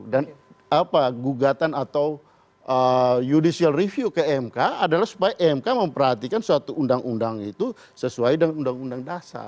dan apa gugatan atau judicial review ke emk adalah supaya emk memperhatikan suatu undang undang itu sesuai dengan undang undang dasar